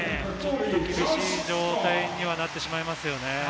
ちょっと苦しい状態にはなってしまいますよね。